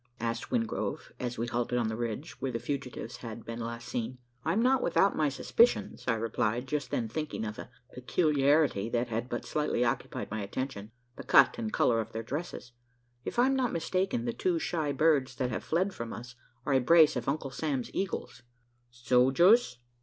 asked Wingrove, as we halted on the ridge, where the fugitives had been last seen. "I'm not without my suspicions," I replied, just then thinking of a peculiarity that had but slightly occupied my attention the cut and colour of their dresses. "If I am not mistaken, the two shy birds that have fled from us are a brace of uncle Sam's eagles." "Sojers?"